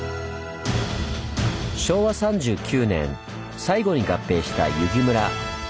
昭和３９年最後に合併した由木村。